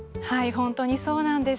本当にそうなんです。